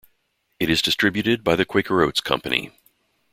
It is distributed by the Quaker Oats Company.